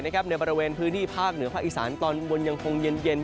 ในบริเวณพื้นที่ภาคเหนือภาคอีสานตอนบนยังคงเย็น